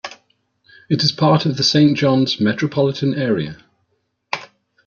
It is part of the Saint John's Metropolitan Area.